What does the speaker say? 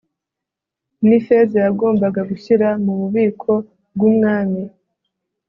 ni feza yagombaga gushyira mu bubiko bw'umwami